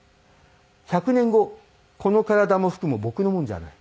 １００年後この体も服も僕のものじゃない。